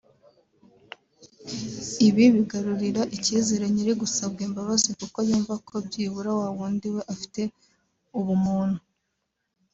Ibi bigarurira icyizere nyir’ugusabwa imbabazi kuko yumva ko byibura wa wundi we afite ubumuntu